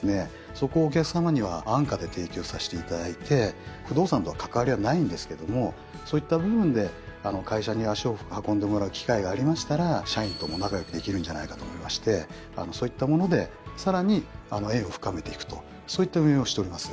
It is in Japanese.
そこをお客さまには安価で提供させていただいて不動産とは関わりはないんですけどもそういった部分で会社に足を運んでもらう機会がありましたら社員とも仲良くできるんじゃないかと思いましてそういったものでさらに縁を深めていくとそういった運営をしております。